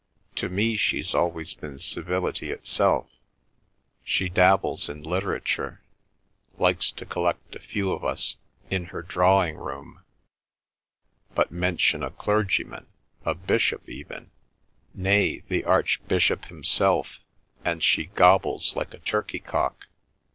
To me she's always been civility itself. She dabbles in literature, likes to collect a few of us in her drawing room, but mention a clergyman, a bishop even, nay, the Archbishop himself, and she gobbles like a turkey cock.